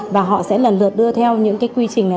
và họ sẽ lần lượt đưa theo những cái quy trình này